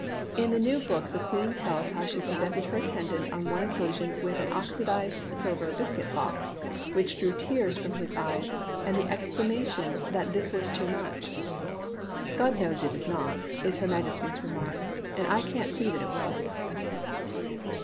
In the new book the Queen tells how she presented her attendant on one occasion with an oxidized silver biscuit box, which drew tears from his eyes and. the exclamation that this was too much. *God knows it is not,* is her Majesty's remark, and I can't see that it was."